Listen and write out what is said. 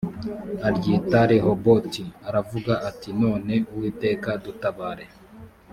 aryita rehoboti aravuga ati none uwiteka dutabare